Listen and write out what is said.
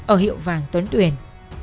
ở hiệu vàng tuấn tuyển